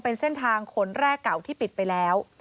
เป็นเส้นทางขนแรกเก่าที่ปิดไปแล้ว